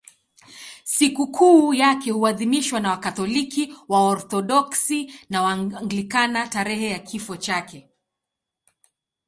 Sikukuu yake huadhimishwa na Wakatoliki, Waorthodoksi na Waanglikana tarehe ya kifo chake.